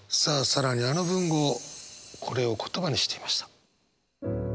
更にあの文豪これを言葉にしていました。